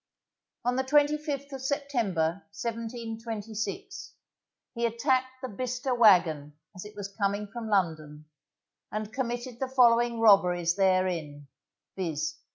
On the twenty fifth of September, 1726, he attacked the Bicester wagon as it was coming from London, and committed the following robberies therein, viz.